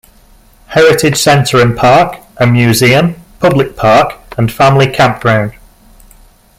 Heritage Centre and Park, a museum, public park, and family campground.